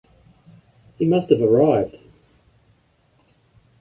He must have arrived.